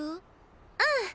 うん。